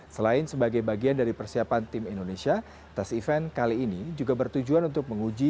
selain sebagai bagian dari persiapan tim indonesia tes event kali ini juga bertujuan untuk menguji